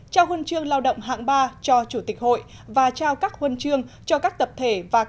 trao huân chương lao động hạng ba cho chủ tịch hội và trao các huân chương cho các tập thể và cá nhân